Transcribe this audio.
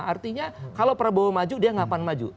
artinya kalau prabowo maju dia ngapain maju